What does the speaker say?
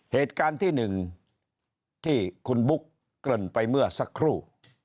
เหตุการณ์ที่๑ที่คุณบุ๊กเกริ่นไปเมื่อสักครู่